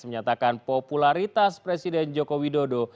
menyatakan popularitas presiden joko widodo